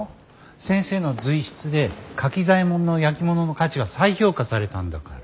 先生の随筆で柿左衛門の焼き物の価値が再評価されたんだから。